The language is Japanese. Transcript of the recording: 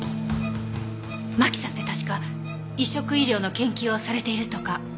真木さんって確か移植医療の研究をされているとか。